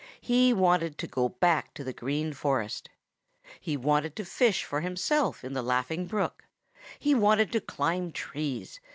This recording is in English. He wanted to go back to the Green Forest. He wanted to fish for himself in the Laughing Brook. He wanted to climb trees.